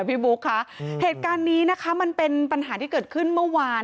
บุ๊คค่ะเหตุการณ์นี้นะคะมันเป็นปัญหาที่เกิดขึ้นเมื่อวาน